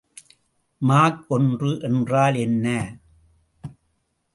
Mach ஒன்று என்றால் என்ன?